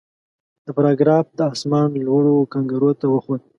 د فرار ګراف د اسمان لوړو کنګرو ته وخوت.